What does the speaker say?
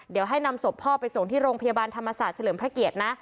เดี๋ยวให้นำศพพ่อไปส่งที่โรงพยาบาลธรรมศาสตร์เฉลิมพระเกียรตินะ